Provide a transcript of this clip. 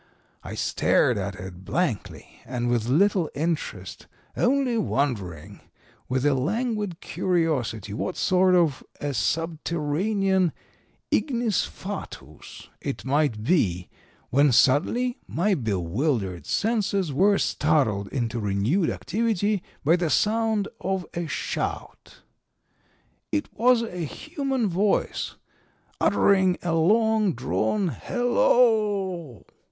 I stared at it blankly and with little interest, only wondering with a languid curiosity what sort of a subterranean ignis fatuus it might be, when suddenly my bewildered senses were startled into renewed activity by the sound of a shout. It was a human voice uttering a long drawn 'Hello o o!'